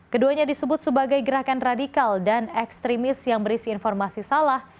keduanya disebut sebagai gerakan radikal dan ekstremis yang berisi informasi salah